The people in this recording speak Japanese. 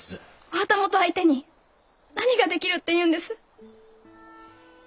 お旗本相手に何ができるっていうんです？